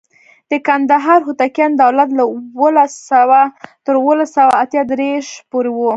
د کندهار هوتکیانو دولت له اوولس سوه تر اوولس سوه اته دیرش پورې و.